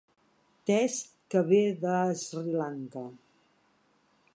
Tes que ve de Sri Lanka.